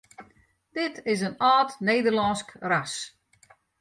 Dit is in âld Nederlânsk ras.